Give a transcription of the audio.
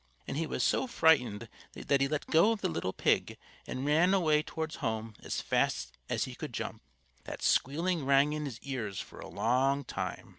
And he was so frightened that he let go of the little pig and ran away towards home as fast as he could jump. That squealing rang in his ears for a long time.